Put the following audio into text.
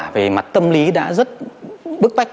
về mặt tâm lý đã rất bức tách